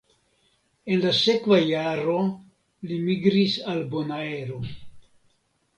En la sekva jaro li migris al Bonaero.